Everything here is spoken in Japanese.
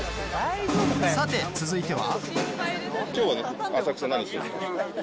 さて、続いては。